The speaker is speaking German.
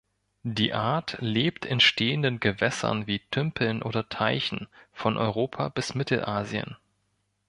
Die Art lebt in stehenden Gewässern wie Tümpeln oder Teichen von Europa bis Mittelasien.